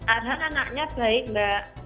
arhan anaknya baik mbak